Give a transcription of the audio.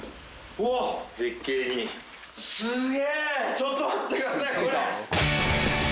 ちょっと待ってくださいこれ。